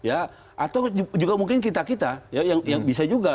atau juga mungkin kita kita yang bisa juga